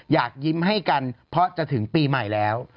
อยากยิ้มให้กันเพราะจะถึงปีใหม่แล้ว